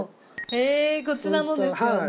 へぇこちらのですよね。